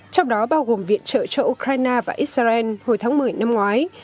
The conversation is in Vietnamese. trong đó bao gồm viện trợ cho ukraine và israel hồi tháng một mươi năm ngoái